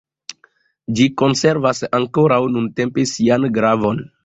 Ĝi konservas ankoraŭ, nuntempe, sian gravon.